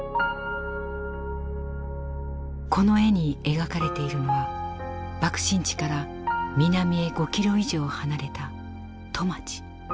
この絵に描かれているのは爆心地から南へ５キロ以上離れた戸町。